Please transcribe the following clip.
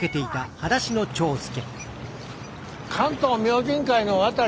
「関東明神会」の渡？